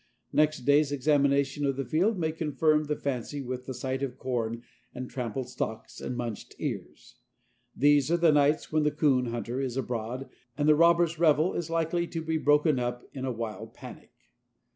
Next day's examination of the field may confirm the fancy with the sight of torn and trampled stalks and munched ears. These are the nights when the coon hunter is abroad and the robbers' revel is likely to be broken up in a wild panic.